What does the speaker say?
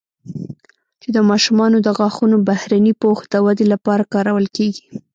چې د ماشومانو د غاښونو بهرني پوښ د ودې لپاره کارول کېږي